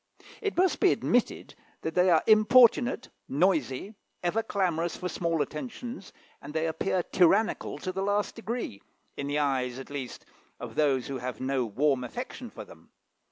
It must be admitted that they are importunate, noisy, ever clamorous for small attentions, and they appear tyrannical to the last degree, in the eyes, at least, of those who have no warm affection for them.